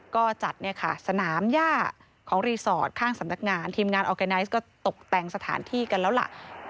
ก็จัดเนี่ยค่ะสนามย่าของรีสอร์ทข้างสำนักงานทีมงานออร์แกไนซ์ก็ตกแต่งสถานที่กันแล้วล่ะ